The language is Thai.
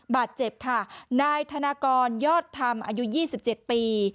บาดเจ็บค่ะนายธนกรยอดธรรมอายุยี่สิบเจ็ดปี